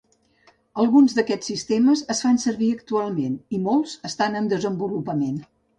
Alguns d'aquests sistemes es fan servir actualment i molts estan en desenvolupament.